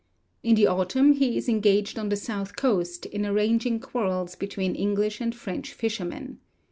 In the autumn he is engaged on the south coast in arranging quarrels between English and French fishermen.